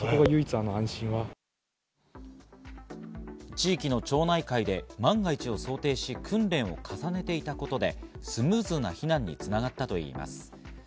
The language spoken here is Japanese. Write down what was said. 地域の町内会で万が一を想定し、訓練を重ねていたことで、スムーズな避難に繋がったといいます。